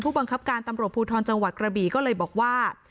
บังคับการตำรวจภูทรจังหวัดกระบี่ก็เลยบอกว่า